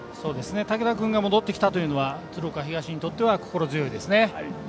武田君が戻ってきたというのは鶴岡東にとっては心強いですね。